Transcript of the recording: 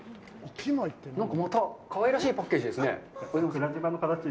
なんか、またかわいらしいパッケージですね。